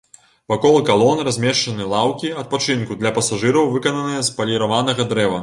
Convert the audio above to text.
Вакол калон размешчаны лаўкі адпачынку для пасажыраў, выкананыя з паліраванага дрэва.